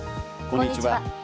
こんにちは。